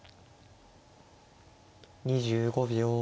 ２５秒。